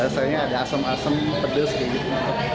rasanya ada asem asem pedes gitu